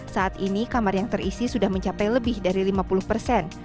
saat ini kamar yang terisi sudah mencapai lebih dari lima puluh persen